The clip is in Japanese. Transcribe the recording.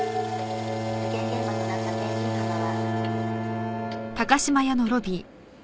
「事件現場となった天神浜は」